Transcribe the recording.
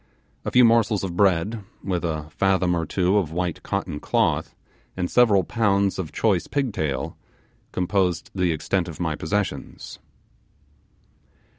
A few morsels of bread, with a fathom or two of white cotton cloth, and several pounds of choice pigtail, composed the extent of my possessions.